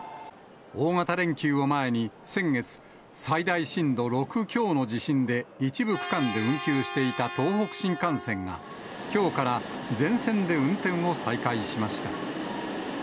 大型連休を前に先月、最大震度６強の地震で、一部区間で運休していた東北新幹線が、きょうから全線で運転を再開しました。